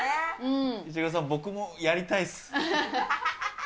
石黒さん、僕もやりたいです。